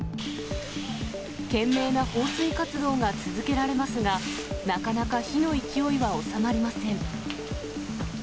懸命な放水活動が続けられますが、なかなか火の勢いは収まりません。